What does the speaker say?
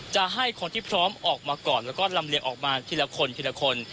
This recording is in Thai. จะให้คนที่พร้อมออกมาก่อนแล้วก็ลำเลียงออกมาทีละคนทีละคน